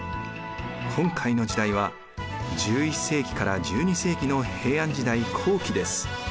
今回の時代は１１世紀から１２世紀の平安時代後期です。